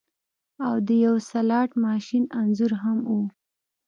او د یو سلاټ ماشین انځور هم و